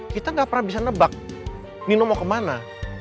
kita nggak pernah bisa nebak nino mau ke mana